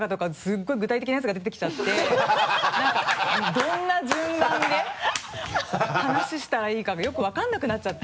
どんな順番で話したらいいかがよく分かんなくなっちゃって。